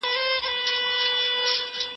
ایا هغه خپل تولیدات بازار ته وړي دي؟